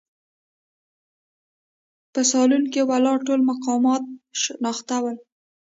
په سالون کې ولاړ ټول مقامات شناخته ول.